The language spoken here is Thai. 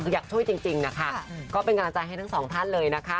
คืออยากช่วยจริงนะคะก็เป็นกำลังใจให้ทั้งสองท่านเลยนะคะ